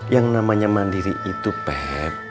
yang namanya mandiri itu pep